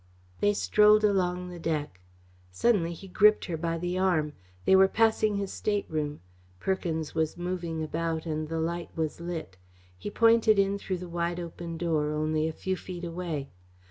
They strolled along the deck. Suddenly he gripped her by the arm. They were passing his stateroom. Perkins was moving about and the light was lit. He pointed in through the wide open door, only a few feet away.